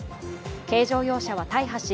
軽乗用車は大破し